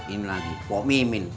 ini lagi komimin